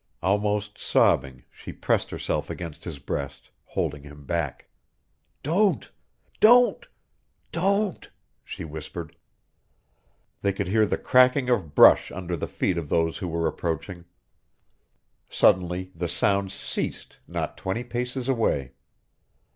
Almost sobbing, she pressed herself against his breast, holding him back. "Don't don't don't " she whispered. They could hear the cracking of brush under the feet of those who were approaching. Suddenly the sounds ceased not twenty paces away.